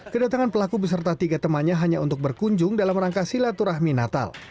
kedatangan pelaku beserta tiga temannya hanya untuk berkunjung dalam rangka silaturahmi natal